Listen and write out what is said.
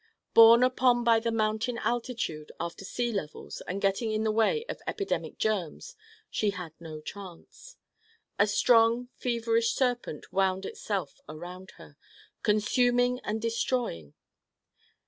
Borne upon by the mountain altitude after sea levels and getting in the way of epidemic germs, she had no chance. A strong feverish serpent wound itself around her, consuming and destroying.